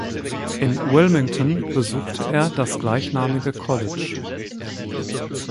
In Wilmington besuchte er das gleichnamige College.